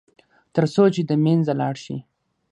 تر څو چې د منځه لاړ شي.